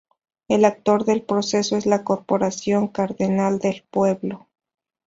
El actor del proceso es la Corporación Cardenal del Pueblo.